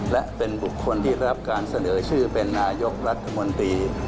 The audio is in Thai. และเป็นบุคคลที่ได้รับการเสนอชื่อเป็นนายกรัฐมนตรี